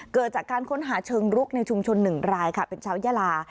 เกิดจากการค้นหาเชิงรุกในชุมชน๑รายค่ะเป็นชาวยาลา